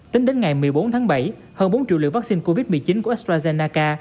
tính đến ngày một mươi bốn tháng bảy hơn bốn triệu liều vaccine covid một mươi chín của astrazennaca